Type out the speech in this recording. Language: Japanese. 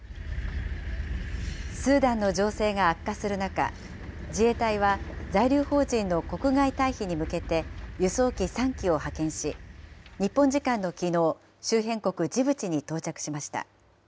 スーダンの情勢が悪化する中、自衛隊は在留邦人の国外退避に向けて輸送機３機を派遣し、日本時間のきのう、周辺国ジブチに到着しました。